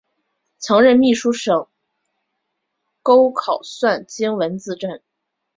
曾任秘书省钩考算经文字臣。